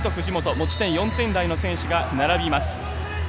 持ち点４点台の選手が並びます。